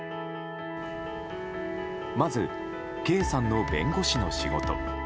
まず圭さんの弁護士の仕事。